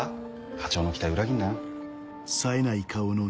課長の期待を裏切るなよ。